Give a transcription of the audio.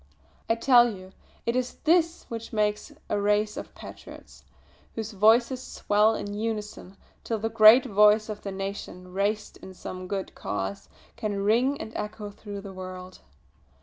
I tell you it is this which makes a race of patriots, whose voices swell in unison till the great voice of the nation, raised in some good cause, can ring and echo through the world!"